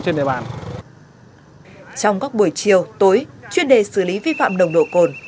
trong các buổi chiều tối chuyên đề xử lý vi phạm đồng đồ cồn